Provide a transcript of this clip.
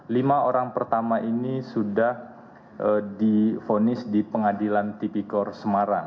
lima orang pertama ini sudah difonis di pengadilan tipikor semarang